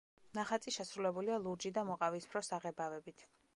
ნახატი შესრულებულია ლურჯი და მოყავისფრო საღებავებით.